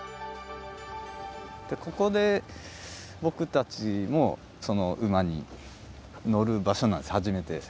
ここで僕たちも馬に乗る場所なんです初めて。